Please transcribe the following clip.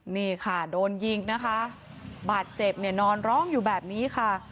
นี่ค่ะโดนยิงนะคะบาดเจ็บเนี่ยนอนร้องอยู่แบบนี้ค่ะ